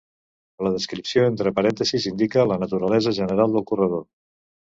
La descripció entre parèntesis indica la naturalesa general del corredor.